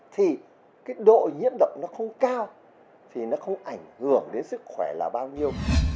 thì cái độ nhiễm động nó không cao thì nó không ảnh hưởng đến sức khỏe là bao nhiêu